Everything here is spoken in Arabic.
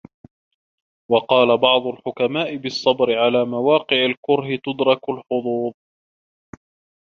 وَقَالَ بَعْضُ الْحُكَمَاءِ بِالصَّبْرِ عَلَى مَوَاقِعِ الْكُرْهِ تُدْرَكُ الْحُظُوظُ